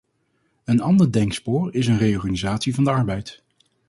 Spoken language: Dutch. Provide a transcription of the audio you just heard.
Een ander denkspoor is een reorganisatie van de arbeid.